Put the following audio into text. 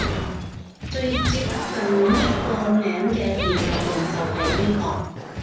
最接近呢個名嘅聯絡人就係呢個